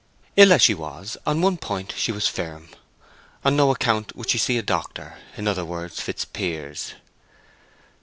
Ill as she was, on one point she was firm. On no account would she see a doctor; in other words, Fitzpiers.